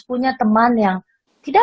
punya teman yang tidak